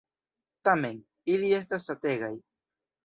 Tamen, ili estas sategaj.